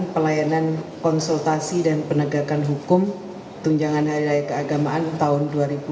pelayanan konsultasi dan penegakan hukum tunjangan hari raya keagamaan tahun dua ribu dua puluh